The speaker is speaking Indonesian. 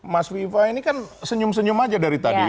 mas viva ini kan senyum senyum aja dari tadi